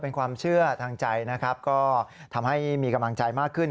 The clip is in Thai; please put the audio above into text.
เป็นความเชื่อทางใจนะครับก็ทำให้มีกำลังใจมากขึ้น